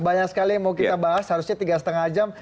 banyak sekali yang mau kita bahas harusnya tiga lima jam